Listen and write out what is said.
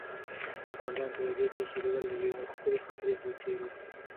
ګاونډیانو ته د دې پېښې لیدل د یوې ښکلې خاطرې په څېر وو.